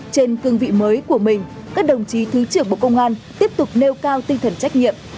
trên cương vị mới của mình các đồng chí thứ trưởng bộ công an tiếp tục nêu cao tinh thần trách nhiệm